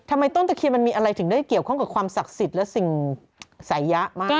ต้นตะเคียนมันมีอะไรถึงได้เกี่ยวข้องกับความศักดิ์สิทธิ์และสิ่งสายยะมาก